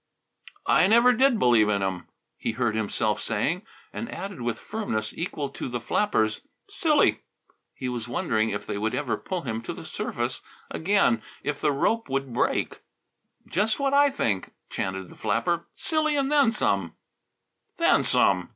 "I never did believe in 'em," he heard himself saying. And added with firmness equal to the flapper's, "Silly!" He was wondering if they would ever pull him to the surface again; if the rope would break. "Just what I think," chanted the flapper. "Silly, and then some!" "Then some!"